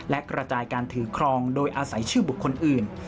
และกระจายการถือครองโดยอาศัยชื่อบุคคลอื่น